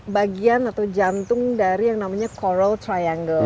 bagian atau jantung dari yang namanya coral triangle